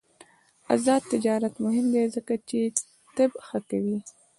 آزاد تجارت مهم دی ځکه چې طب ښه کوي.